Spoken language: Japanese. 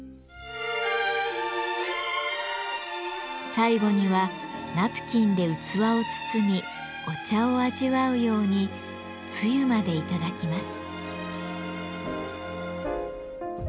最後にはナプキンで器を包みお茶を味わうようにつゆまでいただきます。